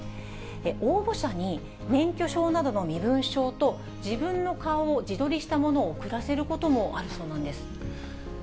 応募者に免許証などの身分証と、自分の顔を自撮りしたものを送らせることもあるそうなんです。